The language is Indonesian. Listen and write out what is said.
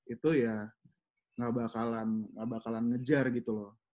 itu ya nggak bakalan ngejar gitu loh